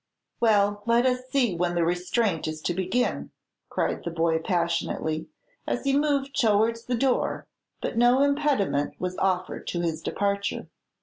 "Well, let us see when this restraint is to begin," cried the boy, passionately, as he moved towards the door; but no impediment was offered to his departure.